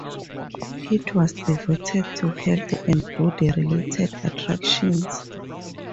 It was devoted to health and body related attractions.